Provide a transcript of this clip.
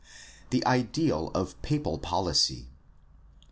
The ideal of papal policy.